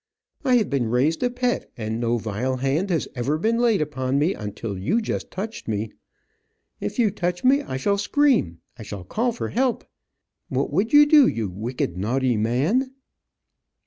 I have been raised a pet, and no vile hand has ever been laid upon me until you just touched me. If you touch me I shall scream. I shall call for help. What would you do, you wicked, naughty man."